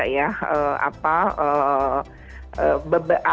kepala dinas maupun kppa juga ya